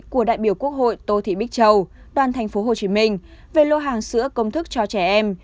của đại biểu quốc hội tô thị bích châu toàn tp hcm về lô hàng sữa công thức cho trẻ em